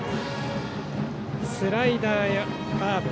スライダーやカーブ